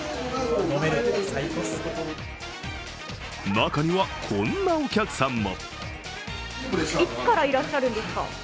中にはこんなお客さんも。